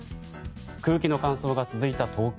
空気の乾燥が続いた東京。